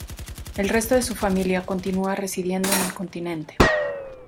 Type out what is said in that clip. El resto de su familia continúa residiendo en el continente.